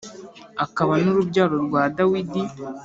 akaba n’Urubyaro rwa Dawidi